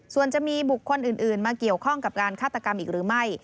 ส่วนจะมีบุคคลอื่นมาเกี่ยวข้องกับการฆาตกรรมอีกหรือไม่